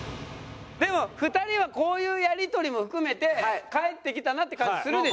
でも２人はこういうやり取りも含めて帰ってきたなって感じするでしょ？